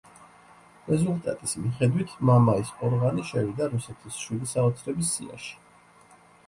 რეზულტატის მიხედვით მამაის ყორღანი შევიდა რუსეთის შვიდი საოცრების სიაში.